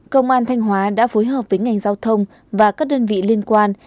công an thanh hóa đã phối hợp với ngành giao thông và các đơn vị liên quan